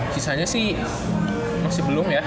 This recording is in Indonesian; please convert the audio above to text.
sisanya sih masih belum ya